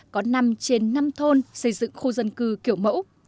có năm trên năm thôn xây dựng khu dân cư kiểu mẫu